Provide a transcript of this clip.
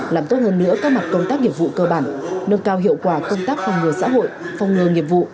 làm tốt hơn nữa các mặt công tác nghiệp vụ cơ bản nâng cao hiệu quả công tác phòng ngừa xã hội phòng ngừa nghiệp vụ